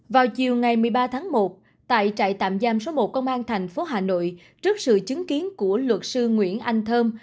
vào chiều ngày một mươi ba tháng một tại trại tạm giam số một công an thành phố hà nội trước sự chứng kiến của luật sư nguyễn anh thơm